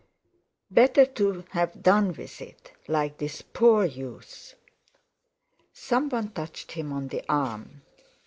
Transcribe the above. Better to have done with it, like this poor youth.... Some one touched him on the arm.